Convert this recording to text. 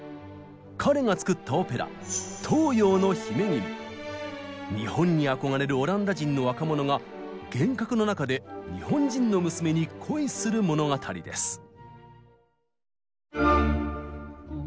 彼が作った日本に憧れるオランダ人の若者が幻覚の中で日本人の娘に恋する物語です。